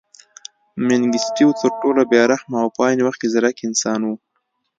منګیسټیو تر ټولو بې رحمه او په عین وخت کې ځیرک انسان و.